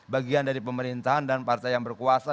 bagian dari pemerintahan dan partai yang berkuasa